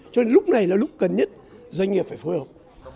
cho nên lúc này là lúc cần nhất doanh nghiệp phải phối hợp